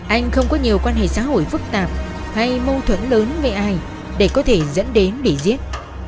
anh không có nhiều quan hệ xã hội phức tạp hay mâu thuẫn lớn với ai để có thể dẫn đến bị giết